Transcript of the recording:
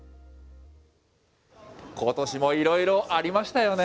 ことしもいろいろありましたよね。